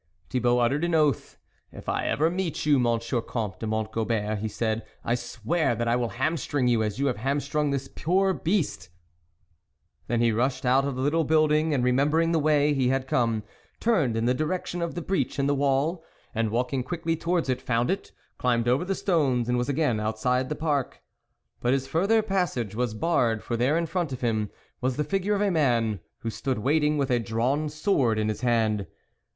Thibault uttered an oath : "If I ever meet you, Monsieur Comte de Mont Gobert," he said, " I swear that I will hamstring you, as you have hamstrung this poor beast " Then he rushed out of the little build ing, and remembering the way he had come, turned in the direction of the breach in the wall, and walking quickly towards it, found it, climbed over the stones, and was again outside the park. But his further passage was barred, for there in front of him was the figure of a man, who stood waiting, with a drawn sword in his hand.